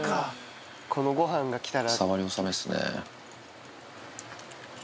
このご飯が来たら。